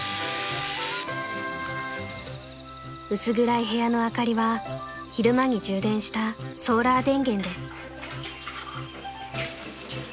［薄暗い部屋の明かりは昼間に充電したソーラー電源です］